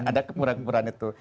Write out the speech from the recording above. ada kepura puraan itu